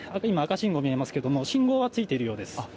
今、赤信号見えますけども信号はついているようです。